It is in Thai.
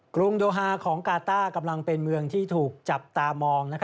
กรุงโดฮาของกาต้ากำลังเป็นเมืองที่ถูกจับตามอง